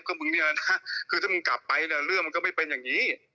ก็มึงเนี่ยนะคือถ้ามึงกลับไปเนี่ยเรื่องมันก็ไม่เป็นอย่างนี้